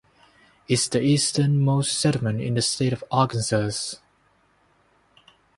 It is the easternmost settlement in the state of Arkansas.